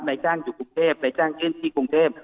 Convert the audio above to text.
นายจ้างอยู่กรุงเทพนายจ้างขึ้นที่กรุงเทพ